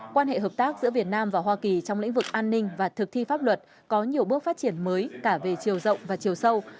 quan hệ hợp tác giữa việt nam và hoa kỳ trong lĩnh vực an ninh và thực thi pháp luật có nhiều bước phát triển mới cả về chiều rộng và chiều sâu